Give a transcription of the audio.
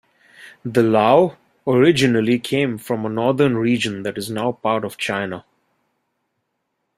The Lao originally came from a northern region that is now part of China.